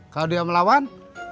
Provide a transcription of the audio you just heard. kalau dia melawan